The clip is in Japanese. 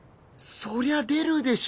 そりゃ出るでしょ！